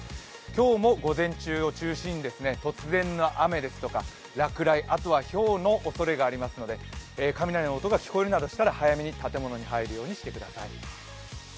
今日も午前中を中心に突然の雨ですとか落雷、あとはひょうのおそれがありますので、雷の音が聞こえるなどしたら早めに建物に入るようにしてください。